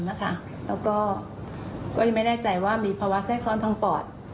แล้วก็ก็ยังไม่แน่ใจว่ามีภาวะแทรกซ้อนทางปอด